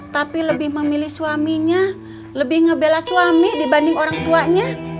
tapi lebih memilih suaminya lebih ngebela suami dibanding orang tuanya